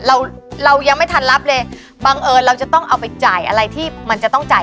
เราเรายังไม่ทันรับเลยบังเอิญเราจะต้องเอาไปจ่ายอะไรที่มันจะต้องจ่าย